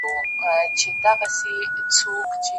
شور به پورته په دربار کي د واه واه سو